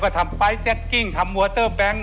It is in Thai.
ก็ทำไฟล์แจ็คกิ้งทำมอเตอร์แบงค์